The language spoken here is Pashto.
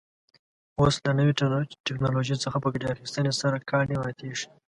اوس له نوې تکنالوژۍ څخه په ګټې اخیستنې سره کاڼي ماتېږي.